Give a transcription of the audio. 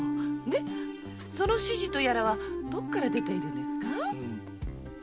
その指示とやらはどこから出ているんですか？